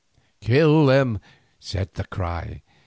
"Kill them!" said the cry.